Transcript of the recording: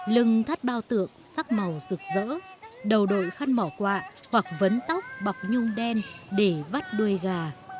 lưng thắt bao tượng sắc màu rực rỡ đầu đội khăn mỏ quạ hoặc vấn tóc bọc nhung đen để vắt đuôi gà